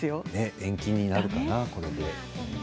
延期になるかな、これで。